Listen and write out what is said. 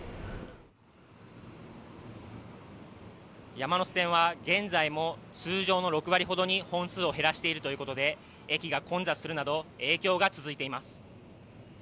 山手線は現在も通常の６割ほどに本数を減らしているということで駅が混雑するなど影響が続いています。